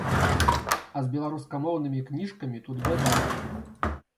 А з беларускамоўнымі кніжкамі тут бяда.